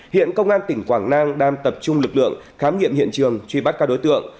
hiện công an tỉnh quảng nam đang tập trung lực lượng khám nghiệm hiện trường truy bắt các đối tượng